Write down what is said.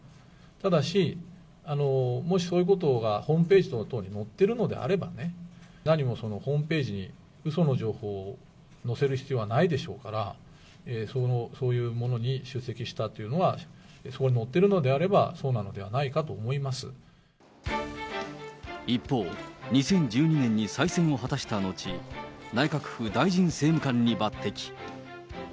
ただし、もしそういうことがホームページ等々に載ってるのであればね、何もそのホームページに、うその情報を載せる必要はないでしょうから、そういうものに出席したというのは、そこに載ってるのであれば、一方、２０１２年に再選を果たした後、内閣府大臣政務官に抜擢。